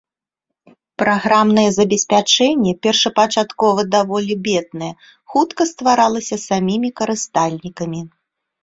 Праграмнае забеспячэнне, першапачаткова даволі беднае, хутка стваралася самімі карыстальнікамі.